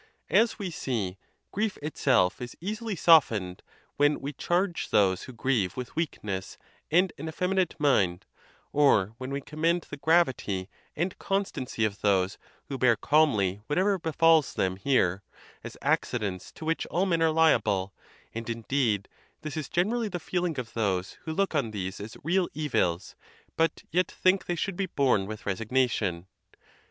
As we see, grief itself is easily softened when we charge those who grieve with weakness and an effeminate mind; or when we commend the gravity and constancy of those who bear calmly whatever befalls them here, as accidents to which all men are liable; and, indeed, this is generally the feeling of those who look on these as real evils, but yet think they should be borne with resignation.